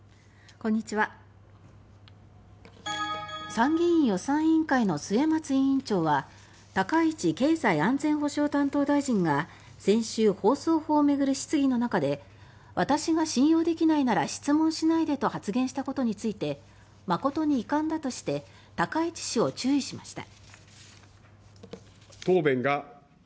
参議院・予算委員会の末松委員長は高市経済安全保障担当大臣が先週放送法をめぐる質疑の中で「私が信用できないなら質問しないで」と発言したことについて誠に遺憾だとして高市氏を注意しました。